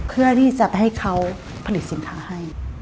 เพื่อที่จะไปให้เขาผลิตสินค้าให้